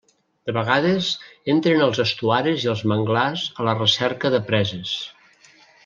De vegades entren als estuaris i als manglars a la recerca de preses.